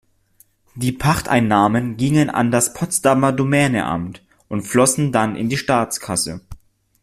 Die Pachteinnahmen gingen an das Potsdamer Domänenamt und flossen dann in die Staatskasse.